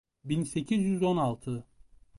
bin sekiz yüz on altı